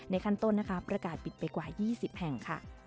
ขั้นต้นนะคะประกาศปิดไปกว่า๒๐แห่งค่ะ